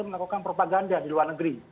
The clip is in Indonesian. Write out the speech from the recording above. melakukan propaganda di luar negeri